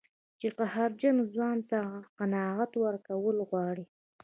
چې قهرجن ځوان ته قناعت ورکول غواړي.